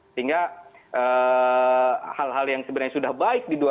sehingga hal hal yang sebenarnya sudah baik di dua ribu dua puluh